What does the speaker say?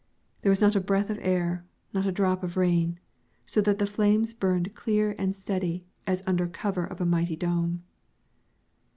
There was not a breath of air, not a drop of rain, so that the flames burned clear and steady as under cover of a mighty dome.